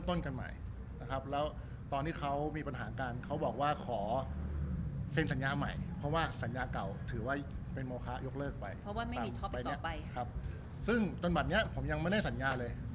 ถือไว้วินโมคะยกเลิกไปเพราะว่าไม่มีท๊อปไปต่อไปครับซึ่งจนบันเนี้ยผมยังไม่ได้สัญญาเลย